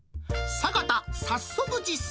坂田、早速実践。